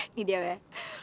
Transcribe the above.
ini dewi ya lo tungguin aja ya